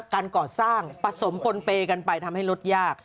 การก่อสร้างผสมปนเปย์กันไปทำให้รถยาก